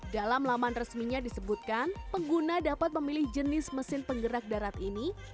dalam laman resminya disebutkan pengguna dapat memilih jenis mesin penggerak darat ini